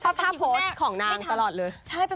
ชอบท่าโพสต์ของนางตลอดเลย